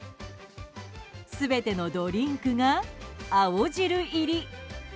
全てのドリンクが青汁入り。